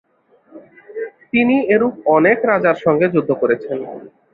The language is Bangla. তিনি এরূপ অনেক রাজার সঙ্গে যুদ্ধ করেছেন।